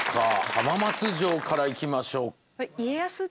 浜松城からいきましょう。